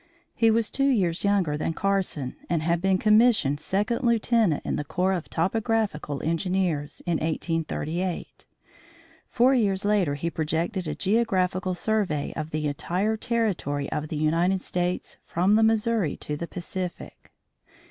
He was two years younger than Carson and had been commissioned Second Lieutenant in the Corps of Topographical Engineers, in 1838. Four years later he projected a geographical survey of the entire territory of the United States from the Missouri River to the Pacific.